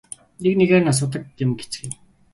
Нэг нэгээр нь асгадаг юм гэцгээв.